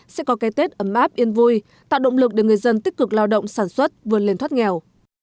sẽ có cái tết ấm áp yên vui tạo động lực để người dân tích cực lao động sản xuất vươn lên thoát nghèo